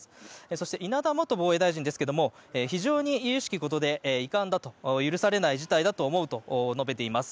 そして稲田元防衛大臣ですが非常に由々しきことで遺憾だと、許されない事態だと思うと述べています。